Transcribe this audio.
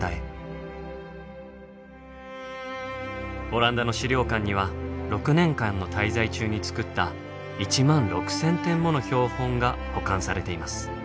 オランダの資料館には６年間の滞在中に作った１万６，０００点もの標本が保管されています。